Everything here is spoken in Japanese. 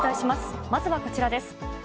まずはこちらです。